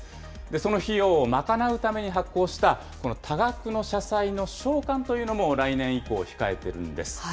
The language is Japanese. その費用を賄うために発行した多額の社債の償還というのも、来年以降、控えてるんです。